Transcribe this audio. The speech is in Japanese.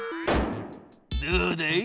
どうだい？